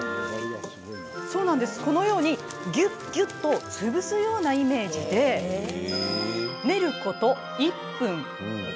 このようにギュッギュッと潰すようなイメージで練ること１分。